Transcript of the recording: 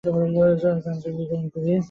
যান, জলদি করুন, প্লিজ!